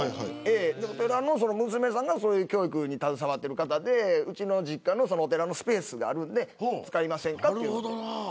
お寺の娘さんがそういう教育に携わっている方で実家のスペースがあるので使いませんかと。